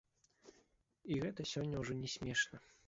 І гэта сёння ўжо не смешна.